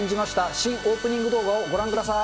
新オープニング動画をご覧ください。